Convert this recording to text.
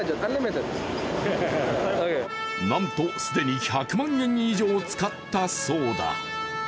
なんと既に１００万円以上使ったそうだ。